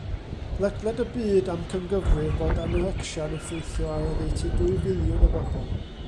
Ledled y byd amcangyfrifir fod anorecsia'n effeithio ar oddeutu dwy filiwn o bobl.